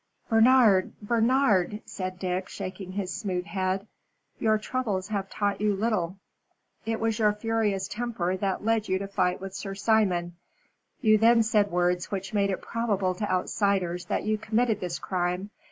"Bernard! Bernard!" said Dick, shaking his smooth head, "your troubles have taught you little. It was your furious temper that led you to fight with Sir Simon. You then said words which made it probable to outsiders that you committed this crime.